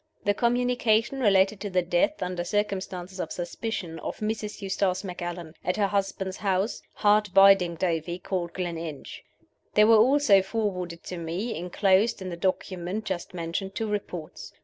The communication related to the death, under circumstances of suspicion, of Mrs. Eustace Macallan, at her husband's house, hard by Dingdovie, called Gleninch. There were also forwarded to me, inclosed in the document just mentioned, two reports.